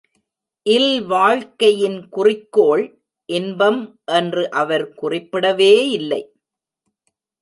இல்வாழ்க்கையின் குறிக்கோள் இன்பம் என்று அவர் குறிப்பிடவே இல்லை.